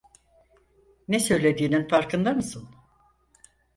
Ne söylediğinin farkında mısın?